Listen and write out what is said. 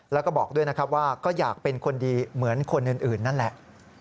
แล้วก็บอกด้วยนะครับว่าก็อยากเป็นคนดีเหมือนคนอื่นนั่นแหละ